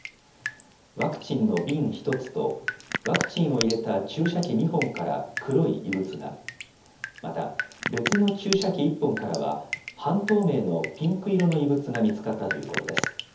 ワクチンの瓶１つと、ワクチンを入れた注射器２本から黒い異物が、また、別の注射器１本からは、半透明のピンク色の異物が見つかったということです。